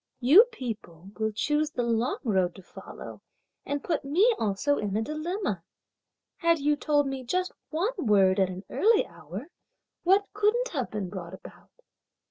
"You people will choose the long road to follow and put me also in a dilemma! Had you told me just one word at an early hour, what couldn't have been brought about?